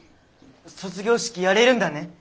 卒業式やれるんだね？